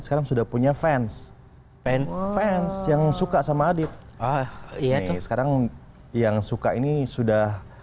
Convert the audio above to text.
sekarang sudah punya fans fans fans yang suka sama adit ah ini sekarang yang suka ini sudah